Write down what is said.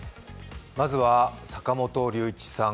まずは、坂本龍一さん